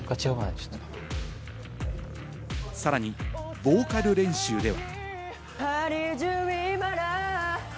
さらにボーカル練習では。